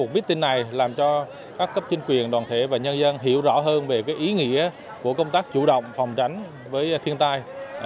biết tin này làm cho các cấp chính quyền đoàn thể và nhân dân hiểu rõ hơn về ý nghĩa của công tác chủ động phòng tránh với thiên tai